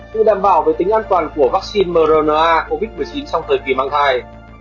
tự đảm bảo về tính an toàn của vaccine mrna covid một mươi chín trong thời kỳ mang thai